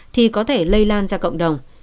thì có thể lây lan ra cộng đồng